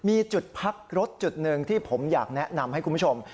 มีจุดพักรถจุดหนึ่งที่ผมอยากแนะนำให้คุณผู้ชม